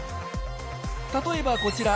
例えばこちら。